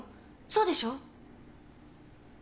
そうでしょ？